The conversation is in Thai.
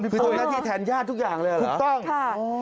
คือเป็นหน้าที่แทนญาติทุกอย่างเลยเหรอคุณต้องนะฮะโอ้โฮค่ะ